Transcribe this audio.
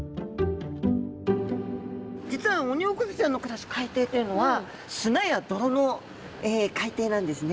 実はオニオコゼちゃんの暮らす海底というのは砂や泥の海底なんですね。